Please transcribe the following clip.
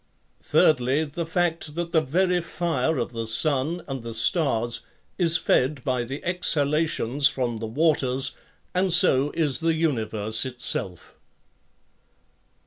'Thirdly, the fact that the very fire of the sun and the stars is fed by the exhalations from the waters, and so is the universe itself.